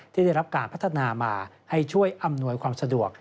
ที่ได้รับการพัฒนามาให้ช่วยอำนวยความสะดวก